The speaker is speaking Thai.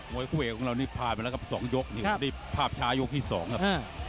คู่เอกของเรานี่ผ่านไปแล้วครับ๒ยกนี่ภาพช้ายกที่๒ครับ